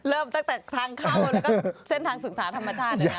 เริ่มตั้งแต่ทางเข้าแล้วก็เส้นทางศึกษาธรรมชาติเลยนะ